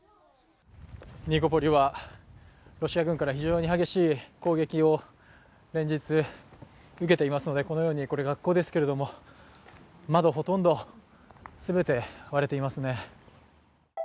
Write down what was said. ニコポリはロシア軍から非常に激しい攻撃を連日受けていますので、このようにこれは学校ですけれども窓、ほとんど全て割れていますね。